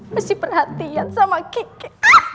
masih perhatian sama kiki